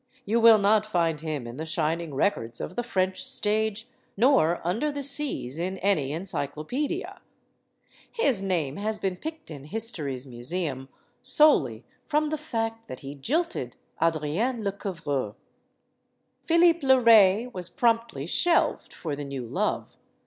You will not find him in the shining records of the French stage, nor under the "Cs" in any encyclo pedia. His name has been picked in history's museum solely from the fact that he jilted Adrienne Lecouvreur. Philippe le Ray was promptly shelved for the new love.